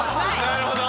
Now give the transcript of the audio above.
なるほど。